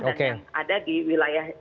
dan yang ada di wilayah